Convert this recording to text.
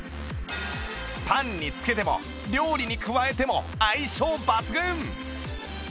パンに付けても料理に加えても相性抜群！